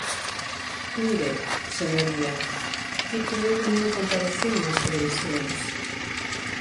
Mire, señoría, di que eu non comparecín nas televisións.